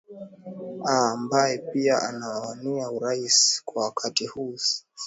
aa ambaye pia anawania urais kwa wakati huu stanila